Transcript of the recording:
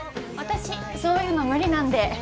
私そういうの無理なんで。